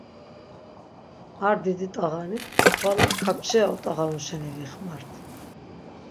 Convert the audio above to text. A didi t̆ağani xvala kapçira ot̆ağanu şeni vixmart.